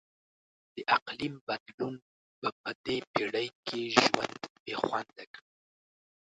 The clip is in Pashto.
د اقلیم بدلون به په دې پیړۍ کې ژوند بیخونده کړي.